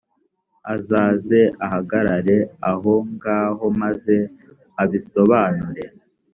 azaze ahagarare aho ngaho, maze abisobanure.